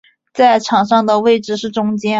在场上的位置是中坚。